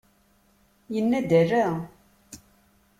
Yenna-d: ala!